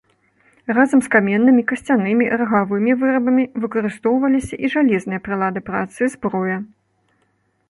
Разам з каменнымі, касцянымі, рагавымі вырабамі выкарыстоўваліся і жалезныя прылады працы, зброя.